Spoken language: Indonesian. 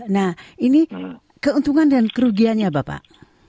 nah ini keuntungan dan kerugiannya bapak